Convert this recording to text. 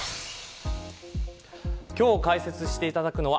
今日解説していただくのは